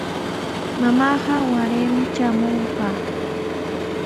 Mamaaqa waraymi traamunqa.